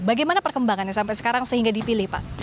bagaimana perkembangannya sampai sekarang sehingga dipilih pak